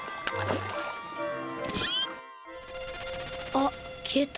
あっきえた。